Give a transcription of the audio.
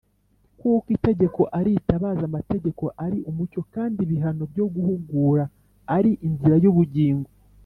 kuko itegeko ari itabaza, amategeko ari umucyo, kandi ibihano byo guhugura ari inzira y’ubugingo